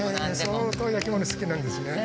相当焼き物好きなんですね。